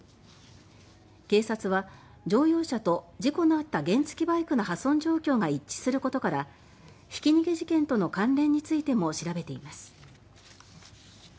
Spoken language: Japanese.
警察は乗用車と事故のあった原付きバイクの破損状況が一致することからひき逃げ事件との関連についても調べています。